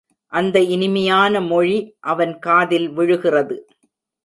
அந்த இனிமையான மொழி அவன் காதில் விழுகிறது.